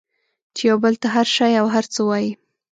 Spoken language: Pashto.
چې یو بل ته هر شی او هر څه وایئ